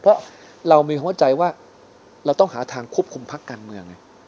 เพราะเรามีความเข้าใจว่าเราต้องหาทางควบคุมพักการเมือง